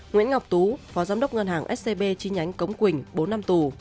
nguyễn ngọc tú phó giám đốc ngân hàng scb chi nhánh cống quỳnh bốn năm tù